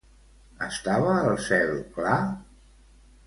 Estava el cel clar?